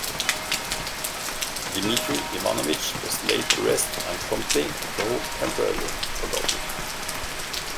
Dmitry Ivanovich was laid to rest and promptly, though temporarily, forgotten.